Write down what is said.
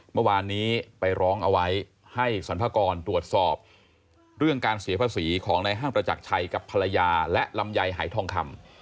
เมื่อวานนี้ไปร้องเอาไว้ให้สรรพากรตรวจสอบเรื่องการเสียภาษีของในห้างประจักรชัยกับภรรยาและลำไยหายทองคำ